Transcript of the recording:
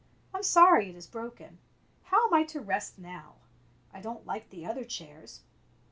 "I'm sorry it is broken. How am I to rest now? I don't like the other chairs.